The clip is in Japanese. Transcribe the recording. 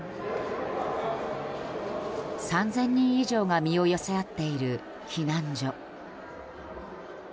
３０００人以上が身を寄せ合っている避難所。